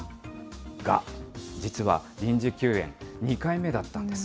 が、実は臨時休園２回目だったんです。